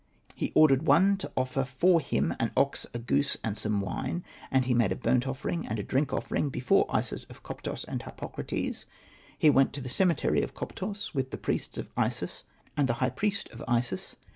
He ordered one to offer for him an ox, a goose, and some wine^ and he made a burnt offering and a drink offering before Isis of Koptos and Harpokrates. He went to the cemetery of Koptos with the priests of Isis and the high priest of Isis.